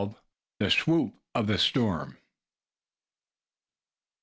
THE SWOOP OF THE STORM.